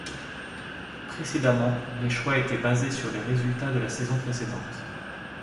Précédemment, les choix étaient basés sur les résultats de la saison précédente.